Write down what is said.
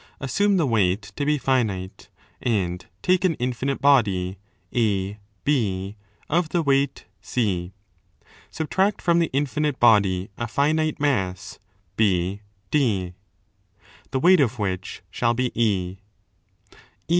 Assume the weight to be finite, and take an infinite body, AB, of the weight C. Subtract from the infinite body a finite mass, BD, the weight of which 30 shall be &.